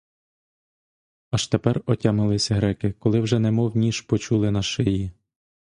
Аж тепер отямилися греки, коли вже немов ніж почули на шиї.